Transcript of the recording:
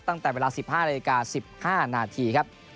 ตั้งแต่เวลา๑๕นาฬิกา๑๕นาทีครับ